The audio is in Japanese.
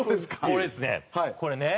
これですね。